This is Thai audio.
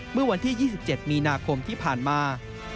เมื่อวันที่๒๗มีนาคมที่ผ่านมา